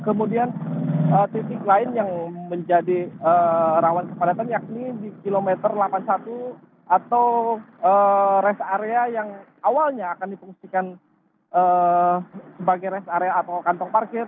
kemudian titik lain yang menjadi rawan kepadatan yakni di kilometer delapan puluh satu atau rest area yang awalnya akan dipungsikan sebagai rest area atau kantong parkir